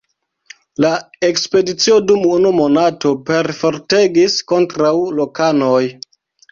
La ekspedicio dum unu monato perfortegis kontraŭ lokanoj.